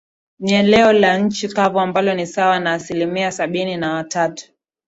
ni eneo la nchi kavu ambalo ni sawa na asilimia sabini na tatu